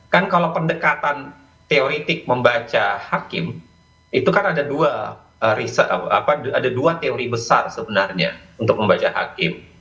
kan kalau pendekatan teoretik membaca hakim itu kan ada dua teori besar sebenarnya untuk membaca hakim